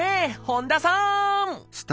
本多さん